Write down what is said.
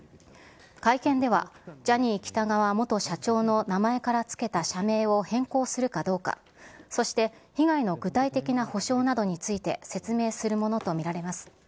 会見では、ジャニー喜多川元社長の名前から付けた社名を変更するかどうか、そして被害の具体的な補償などについて説明するものと見られます。